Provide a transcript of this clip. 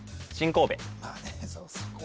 まあね